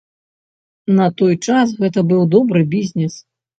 На той час гэта быў добры бізнес.